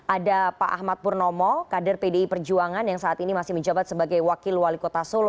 ada pak ahmad purnomo kader pdi perjuangan yang saat ini masih menjabat sebagai wakil wali kota solo